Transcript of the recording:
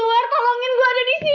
gimana tuh magnet highness ya